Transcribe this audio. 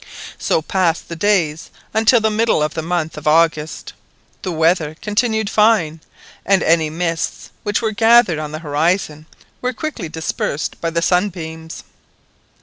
So passed the days until the middle of the month of August. The weather continued fine, and any mists which gathered on the horizon were quickly dispersed by the sunbeams.